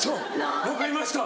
「分かりました」